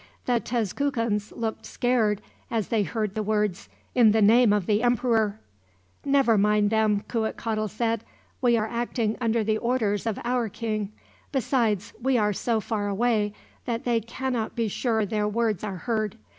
The Tezcucans looked scared as they heard the words, "In the name of the Emperor." "Never mind them," Cuitcatl said. "We are acting under the orders of our king. Besides, we are so far away that they cannot be sure their words are heard.